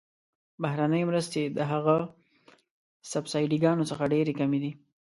بهرنۍ مرستې د هغه سبسایډي ګانو څخه ډیرې کمې دي.